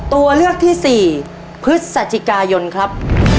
ตัวเลือกที่๔พฤศจิกายนครับ